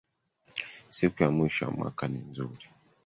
Siku ya mwisho ya mwaka ni nzuri